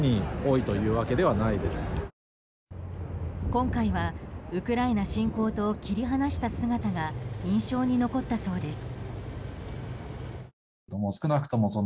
今回は、ウクライナ侵攻と切り離した姿が印象に残ったそうです。